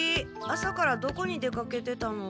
朝からどこに出かけてたの？